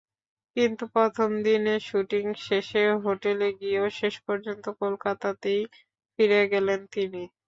কিন্তু প্রথম দিনের শুটিং শেষে হোটেলে গিয়েও শেষপর্যন্ত কলকাতাতেই ফিরে গেলেন তিনি।